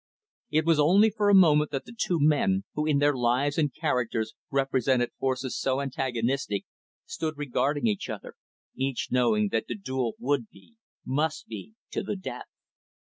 It was only for a moment that the two men who in their lives and characters represented forces so antagonistic stood regarding each other, each knowing that the duel would be must be to the death.